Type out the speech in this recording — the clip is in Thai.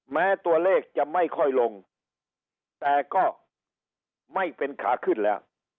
แม้ตัวเลขจะไม่ค่อยลงแต่ก็ไม่เป็นขาขึ้นแล้ว